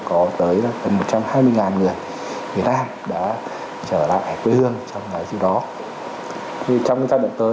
có tới gần một trăm hai mươi người việt nam đã trở lại quê hương trong cái dự đó trong các giai đoạn tới